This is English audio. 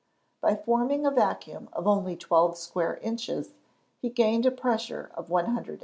By forming a vacuum of only twelve square inches he gained a pressure of 180 lbs.